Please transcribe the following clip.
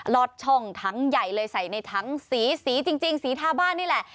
อดช่องทั้งใหญ่เลยใส่ในถังสีสีจริงสีทาบ้านนี่แหละ